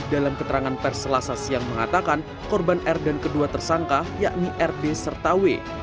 dalam keterangan perselasasi yang mengatakan korban r dan kedua tersangka yakni r d serta w